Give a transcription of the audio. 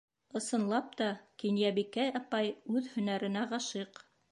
Ысынлап та, Кинйәбикә апай үҙ һөнәренә ғашиҡ.